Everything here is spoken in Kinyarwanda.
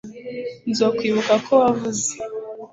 nzokwibuka ko wavuze